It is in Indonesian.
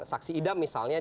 saksi idam misalnya